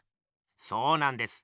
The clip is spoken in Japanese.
そうなんです。